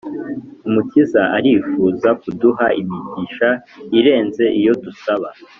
Umukiza arifuza kuduha imigisha irenze iyo dusaba;